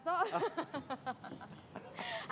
aduh namanya juga amatir ya